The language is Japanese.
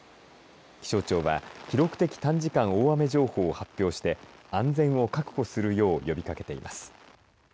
気象庁は記録的短時間大雨情報を発表して安全を確保するよう呼びかけています。